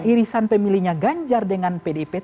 irisan pemilihnya ganjar dengan pdip